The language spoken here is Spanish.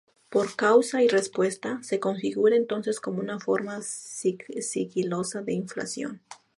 Por causa y respuesta, se configura entonces como una forma sigilosa de inflación.